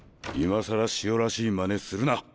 今さらしおらしいまねするな！